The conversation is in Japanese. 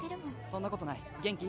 そんなことない元気？